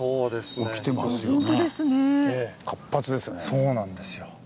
そうなんですよ。